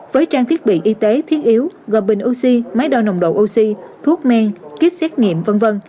với trang thiết bị y tế thiết yếu gồm bình oxy máy đo nồng độ oxy thuốc men kit xét nghiệm v v